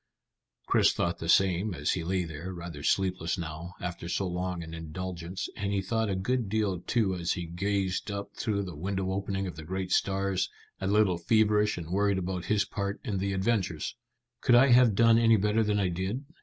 Chris thought the same as he lay there, rather sleepless now, after so long an indulgence; and he thought a good deal too as he gazed up through the window opening at the great stars, a little feverish and worried about his part in the adventures. "Could I have done any better than I did?"